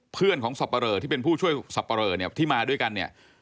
เพื่อนของสับปะเลอที่เป็นผู้ช่วยสับปะเลอเนี่ยที่มาด้วยกันเนี่ย